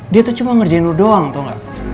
dia tuh cuma ngerjain lo doang tau gak